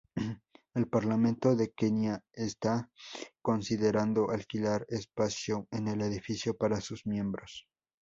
El Parlamento de Kenia está considerando alquilar espacio en el edificio para sus miembros.